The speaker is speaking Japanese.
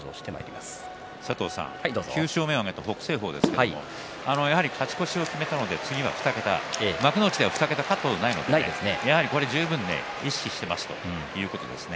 ９勝目を挙げた北青鵬ですがやはり勝ち越しを決めたので次は２桁、幕内では２桁勝ったことがないので十分に意識していますということです。